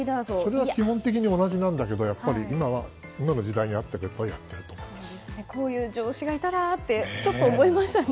それは基本的に同じなんだけど今の時代に合ったことをこういう上司がいたらってちょっと思いましたね。